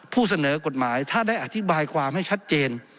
ผู้เสนอกฎหมายถ้าได้อธิบายความให้ชัดเจน